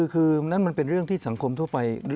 คือนั่นมันเป็นเรื่องที่สังคมทั่วไป